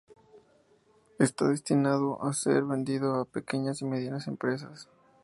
Está destinado a ser vendido a pequeñas y medianas empresas.